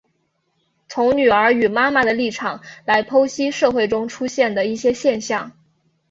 从女儿与妈妈的立场来剖析社会中出现的一些现象。